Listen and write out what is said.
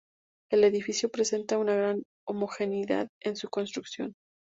El edificio presenta una gran homogeneidad en su construcción.